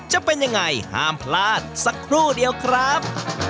จะเป็นยังไงห้ามพลาดสักครู่เดียวครับ